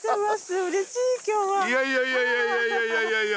いやいやいやいや。